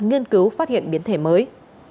nghiên cứu phát hiện biến thể mới